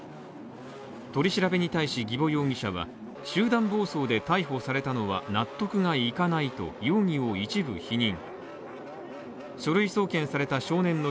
取り調べに対し儀保容疑者は集団暴走で逮捕されたのは納得がいかないと容疑を一部否認。